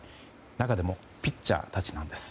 中でもピッチャーたちなんです。